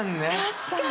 確かに！